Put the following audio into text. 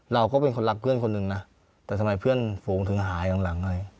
เราก็เป็นคนรักเพื่อนคนหนึ่งนะแต่ทำไมเพื่อนฝูงถึงหายหลังอะไร